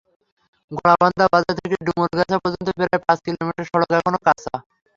ঘোড়াবান্ধা বাজার থেকে ডুমরগাছা পর্যন্ত প্রায় পাঁচ কিলোমিটার সড়ক এখনো কাঁচা।